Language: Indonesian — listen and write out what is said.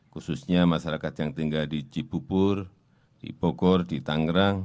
khususnya masyarakat yang tinggal di cibubur di bogor di tangerang